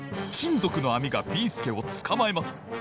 ぞくのあみがビーすけをつかまえます。